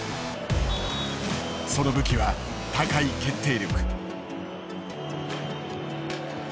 その武器は高い決定力。